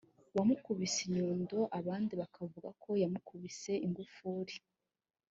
wamukubise inyundo abandi bakavuga ko yamukubise ingufuri